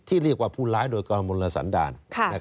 เรียกว่าผู้ร้ายโดยกรมลสันดาล